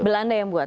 belanda yang membuat